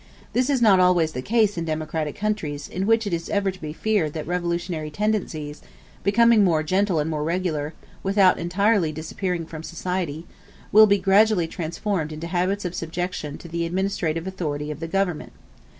This is not always the case in democratic countries, in which it is ever to be feared that revolutionary tendencies, becoming more gentle and more regular, without entirely disappearing from society, will be gradually transformed into habits of subjection to the administrative authority of the government.